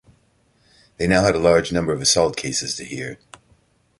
They now had a large number of assault cases to hear.